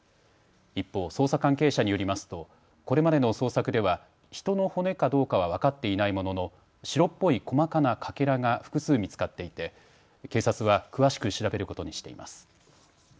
一方、捜査関係者によりますとこれまでの捜索では人の骨かどうかは分かっていないものの白っぽい細かなかけらが複数見つかっていて警察は詳しく調べることにしています。